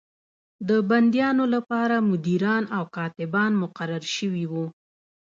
د بندیانو لپاره مدیران او کاتبان مقرر شوي وو.